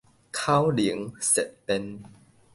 口靈舌辯